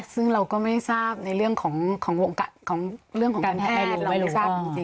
ซึ่งเราก็ไม่ทราบในเรื่องของการแพทย์เราไม่รู้ทราบจริง